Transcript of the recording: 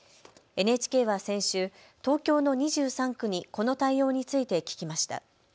ＮＨＫは先週、東京の２３区にこの対応について聞きました。